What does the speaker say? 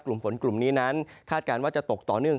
กลุ่มฝนกลุ่มนี้นั้นคาดการณ์ว่าจะตกต่อเนื่อง